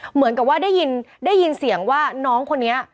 เหมือนกับว่าได้ยินเสียงว่าน้องคนนี้